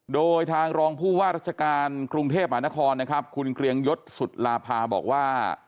โดยทางรองผู้ว่าราชการกรุงเทพมหานครนะครับคุณเกรียงยศสุลาภาบอกว่า